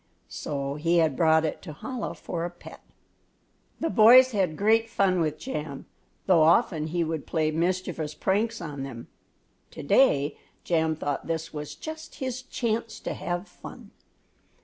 So he had brought it to Chola for a pet. The boys had great fun with Jam, though often he would play mischievous pranks on them. To day Jam thought this was just his chance to have fun.